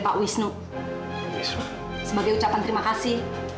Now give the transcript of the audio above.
bisa paksa denger tapi